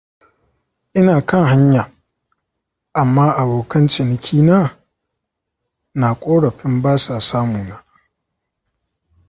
Ina kan hanya, amma abokan ciniki na, na korafin basa samuna.